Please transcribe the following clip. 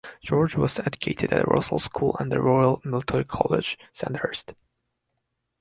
George was educated at Rossall School and the Royal Military College, Sandhurst.